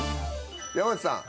山内さん。